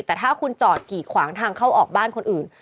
แต่ถ้าคุณจอดกีดขวางทางเข้าออกบ้านคนอื่น